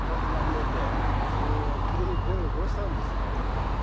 えでもどうしたんですか？